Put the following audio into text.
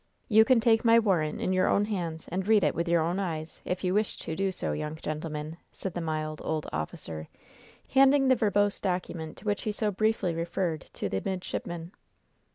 You can take my warrant in your own hands and read it with your own eyes, if you wish to do so, young gentleman," said the mild, old officer, handing the verbose document to which he so briefly referred to the midshipman.